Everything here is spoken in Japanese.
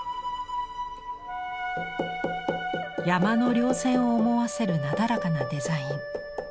山の稜線を思わせるなだらかなデザイン。